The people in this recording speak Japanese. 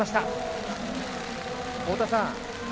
太田さん